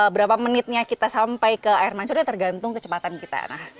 berapa menitnya kita sampai ke air mancurnya tergantung kecepatan kita